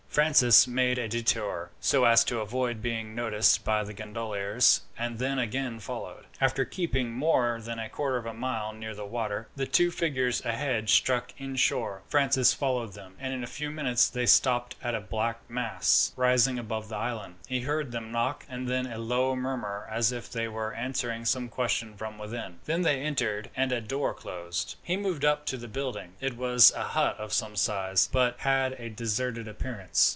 Francis made a detour, so as to avoid being noticed by the gondoliers, and then again followed. After keeping more than a quarter of a mile near the water, the two figures ahead struck inshore. Francis followed them, and in a few minutes they stopped at a black mass, rising above the sand. He heard them knock, and then a low murmur, as if they were answering some question from within. Then they entered, and a door closed. He moved up to the building. It was a hut of some size, but had a deserted appearance.